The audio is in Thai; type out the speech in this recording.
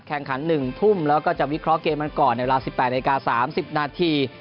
แข่งขัน๑ทุ่มแล้วก็จะวิเคราะห์เกมกันก่อนในเวลา๑๘นาที๓๐นาที